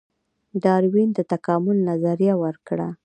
ډاروین د تکامل نظریه ورکړه